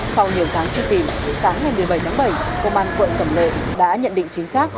sau nhiều tháng truy tìm sáng ngày một mươi bảy tháng bảy công an quận cẩm lệ đã nhận định chính xác